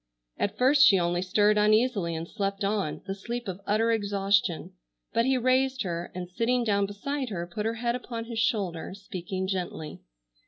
At first she only stirred uneasily and slept on, the sleep of utter exhaustion; but he raised her, and, sitting down beside her, put her head upon his shoulder, speaking gently.